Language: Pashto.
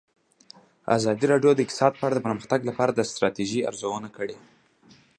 ازادي راډیو د اقتصاد په اړه د پرمختګ لپاره د ستراتیژۍ ارزونه کړې.